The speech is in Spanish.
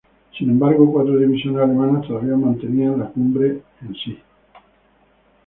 Sin embargo, cuatro divisiones alemanas todavía mantenían la cumbre en sí.